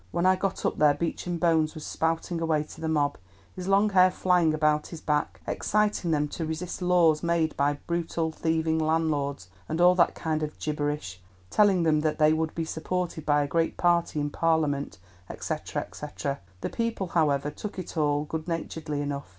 When I got up there, Beecham Bones was spouting away to the mob—his long hair flying about his back—exciting them to resist laws made by brutal thieving landlords, and all that kind of gibberish; telling them that they would be supported by a great party in Parliament, &c., &c. The people, however, took it all good naturedly enough.